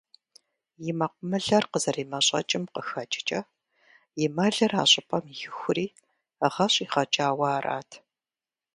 И мэкъумылэр къызэремэщӏэкӏым къыхэкӏкӏэ, и мэлыр а щӏыпӏэм ихури, гъэ щӏигъэкӏауэ арат.